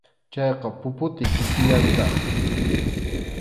Chayqa puputi kikillantaq.